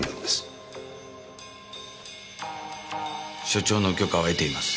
署長の許可を得ています。